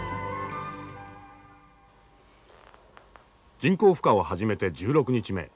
人工孵化を始めて１６日目。